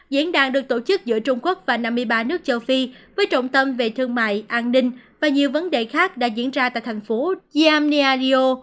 diễn đàn được tổ chức giữa trung quốc và năm mươi ba nước châu phi với trọng tâm về thương mại an ninh và nhiều vấn đề khác đã diễn ra tại thành phố iamiar rio